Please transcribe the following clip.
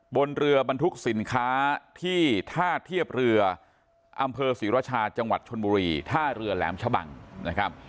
บนเรือบรรทุกสินค้าที่ท่าเทียบเรืออำเภอศรีรชาจังหวัดชนบุรีท่าเรือแหลมชะบังนะครับ